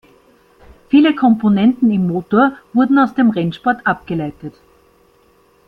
Viele Komponenten im Motor wurden aus dem Rennsport abgeleitet.